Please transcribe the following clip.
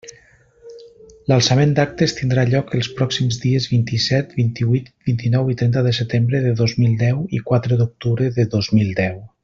L'alçament d'actes tindrà lloc els pròxims dies vint-i-set, vint-i-huit, vint-i-nou i trenta de setembre de dos mil deu i quatre d'octubre de dos mil deu.